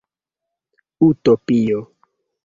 Utopio